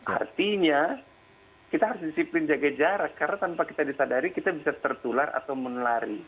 artinya kita harus disiplin jaga jarak karena tanpa kita disadari kita bisa tertular atau menulari